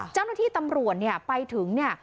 เจ้าหน้าที่ตำรวจเนี่ยไปถึงเนี่ย